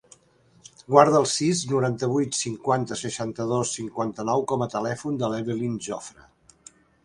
Guarda el sis, noranta-vuit, cinquanta, seixanta-dos, cinquanta-nou com a telèfon de l'Evelyn Jofre.